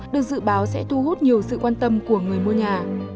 được dự báo sẽ thu hút nhiều sự quan tâm của người mua nhà